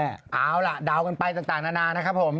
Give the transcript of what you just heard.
เอาล่ะเดากันไปต่างนานานะครับผม